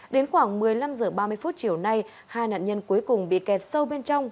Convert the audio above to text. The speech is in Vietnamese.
đến khoảng một mươi năm h ba mươi phút chiều nay hai nạn nhân cuối cùng bị kẹt sâu bên trong